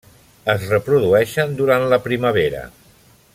Es reprodueixen durant la primavera.